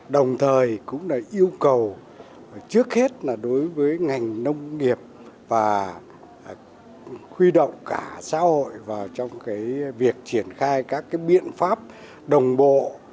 đồng thời cũng là yêu cầu trước hết là đối với ngành nông nghiệp và huy động cả xã hội vào trong việc triển khai các biện pháp đồng bộ